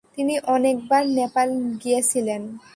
তিনি অনেকবার নেপাল গিয়েছিলেন।